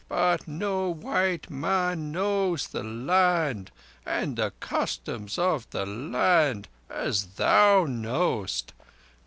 "But no white man knows the land and the customs of the land as thou knowest.